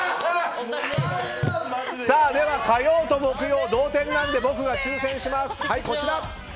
では火曜と木曜が同点なので僕が抽選します。